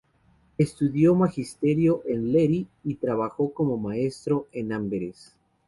Estudió magisterio en Lier y trabajó como maestro en Amberes.